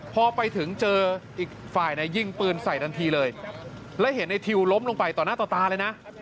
พอไปถึงเจออีกฝ่ายยิงปืนใส่ทันทีเลยแล้วเห็นในทิวล้มลงไปต่อหน้าต่อตาเลยนะ